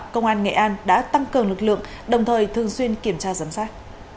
công an nghệ an đã tăng cường lực lượng đồng thời thường xuyên kiểm tra giám sát